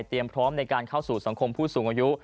พร้อมในการเข้าสู่สังคมผู้สูงอายุ